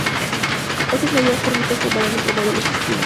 Estas medidas permiten comparar entre modelos distintos.